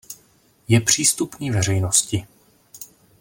Je přístupný veřejnosti.